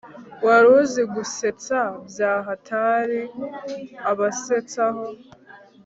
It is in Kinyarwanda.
waruzi gusetsa byahatr abasetsaho